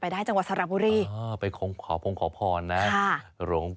ไปได้จังหวัดสระบุรีอ่าไปของขอผมขอผ่อนน่ะค่ะหลวง